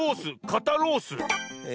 「かたロース」。